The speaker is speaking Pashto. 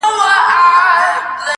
سپین مخ راته ګوري خو تنویر خبري نه کوي,